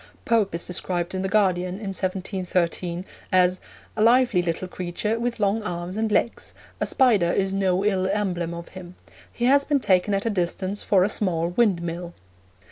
Pope is described in the Guardian, in 1713, as 'a lively little creature, with long arms and legs: a spider is no ill emblem of him. He has been taken at a distance for a small windmill.'